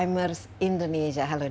diwai merupakan founder dari alzheimer